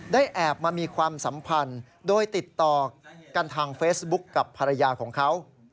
แอบมามีความสัมพันธ์โดยติดต่อกันทางเฟซบุ๊คกับภรรยาของเขา